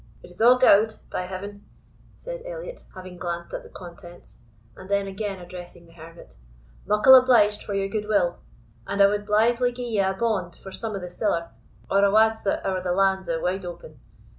"It is a' gowd, by Heaven!" said Elliot, having glanced at the contents; and then again addressing the Hermit, "Muckle obliged for your goodwill; and I wad blithely gie you a bond for some o' the siller, or a wadset ower the lands o' Wideopen.